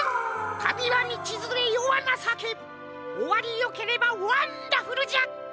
たびはみちづれよはなさけおわりよければワンダフルじゃ！